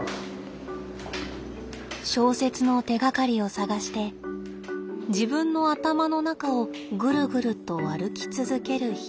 小説の手がかりを探して自分の頭の中をぐるぐると歩き続ける日々。